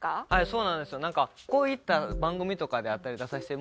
そうなんですよ。